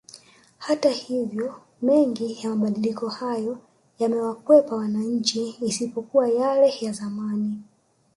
Hata hivyo mengi ya mabadiliko hayo yamewakwepa wananchi isipokuwa yale ya zamani